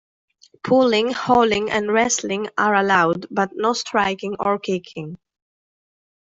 Pulling, hauling and wrestling are allowed, but no striking or kicking.